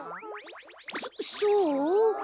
そそう？